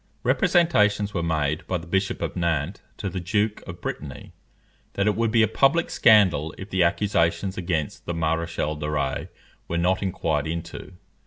Representations were made by the Bishop of Nantes to the Duke of Brittany, that it would be a public scandal if the accusations against the Maréchal de Rays were not inquired into.